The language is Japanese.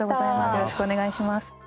よろしくお願いします。